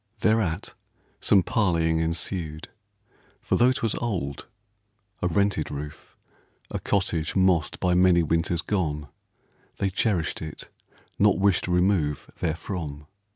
Thereat some parleying Ensued, for tho' 'twas old — a rented roof, A cottage mossed by many winters gone — They cherished it, not wished remove therefrom.